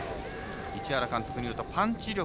市原監督によるとパンチ力